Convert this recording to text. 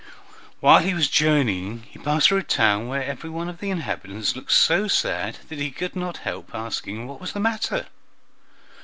While he was journeying he passed through a town where every one of the inhabitants looked so sad that he could not help asking what was the matter.